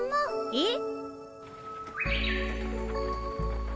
えっ？